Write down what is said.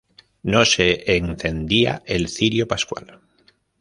No se encendía el cirio pascual.